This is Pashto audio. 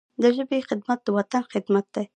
د ژبي خدمت، د وطن خدمت دی.